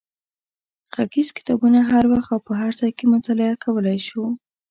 غږیز کتابونه هر وخت او په هر ځای کې مطالعه کولای شو.